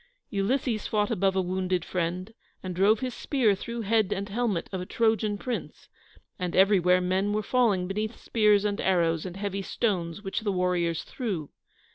Ulysses fought above a wounded friend, and drove his spear through head and helmet of a Trojan prince, and everywhere men were falling beneath spears and arrows and heavy stones which the warriors threw.